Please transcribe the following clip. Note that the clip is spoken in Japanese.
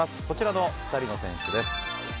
こちらの２人の選手です。